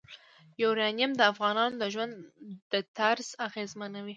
یورانیم د افغانانو د ژوند طرز اغېزمنوي.